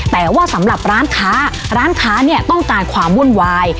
แต่ว่าสำหรับร้านค้าร้านค้าเนี่ยต้องการความวุ่นวาย